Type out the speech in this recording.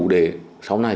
để sau này